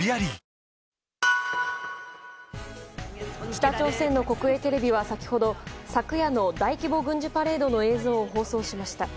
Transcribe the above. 北朝鮮の国営テレビは先ほど昨夜の大規模軍事パレードの映像を放送しました。